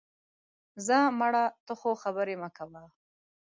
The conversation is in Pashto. ځه مړه، ته خو خبرې مه کوه